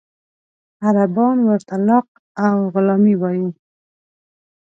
عربان ورته لق او غلامي وایي.